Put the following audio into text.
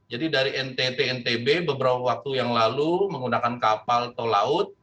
jadi dari ntt ntb beberapa waktu yang lalu menggunakan kapal tol laut